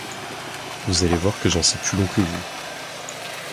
Vous allez voir que j’en sais plus long que vous.